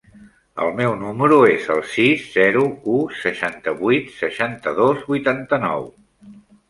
El meu número es el sis, zero, u, seixanta-vuit, seixanta-dos, vuitanta-nou.